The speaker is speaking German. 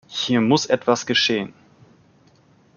Hier muss etwas geschehen.